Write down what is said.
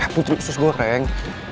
putri usus goreng